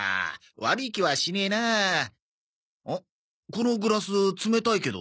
このグラス冷たいけど。